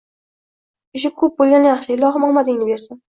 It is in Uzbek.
Ishni ko`p bo`lgani yaxshi, ilohim omadingni bersin